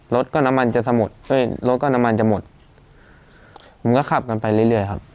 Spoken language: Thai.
รถก็น้ำมันจะสะหมดช่วยรถก็น้ำมันจะหมดผมก็ขับกันไปเรื่อยเรื่อยครับ